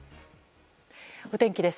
お天気です。